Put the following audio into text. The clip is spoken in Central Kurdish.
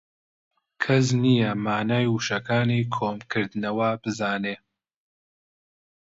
کەس نییە مانای وشەکانی کۆم کردوونەوە بزانێ